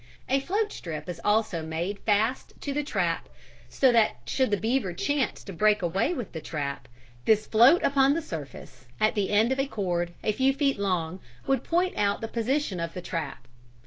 A float strip is also made fast to the trap, so that should the beaver chance to break away with the trap, this float upon the surface, at the end of a cord a few feet long, would point out the position of the trap.